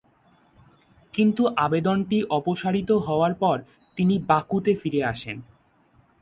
কিন্তু আবেদনটি অপসারিত হওয়ার পর তিনি বাকুতে ফিরে আসেন।